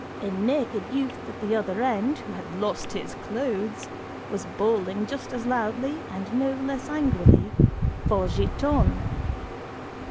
A naked youth at the other end, who had lost his clothes, was bawling just as loudly and no less angrily for Giton!